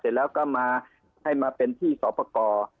เสร็จแล้วก็มาให้มาเป็นที่สอบประกอบ